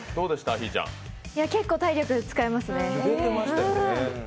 結構体力使いますね。